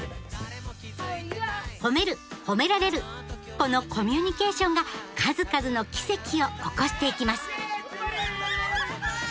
このコミュニケーションが数々の奇跡を起こしていきます！